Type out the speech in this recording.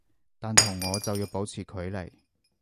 但同我就要保持距離